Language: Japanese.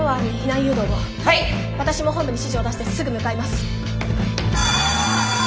私も本部に指示を出してすぐ向かいます。